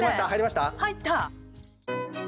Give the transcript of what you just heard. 入った！